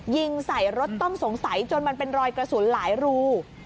ยิงใส่รถต้องสงสัยจนมันเป็นรอยกระสุนหลายรู